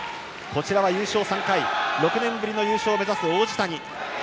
そして優勝３回６年ぶり優勝を目指す王子谷剛志。